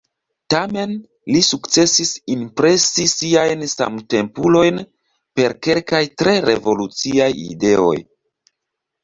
Tamen li sukcesis impresi siajn samtempulojn per kelkaj tre revoluciaj ideoj.